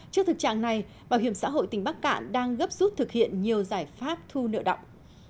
trước thực trạng này bảo hiểm xã hội tỉnh bắc cạn đang gấp rút thực hiện nhiều giải pháp thu nợ động